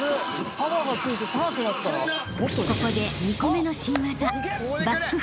［ここで２個目の］